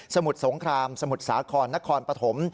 มุดสงครามสมุทรสาครนครปฐม